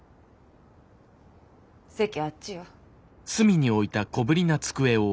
席あっちよ。